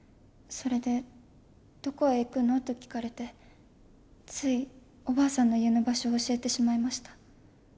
それで「どこへ行くの？」と聞かれてついおばあさんの家の場所を教えてしまいました。